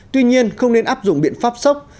tuy nhiên không nên áp dụng biện pháp sốc